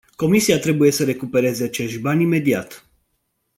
Comisia trebuie să recupereze acești bani imediat.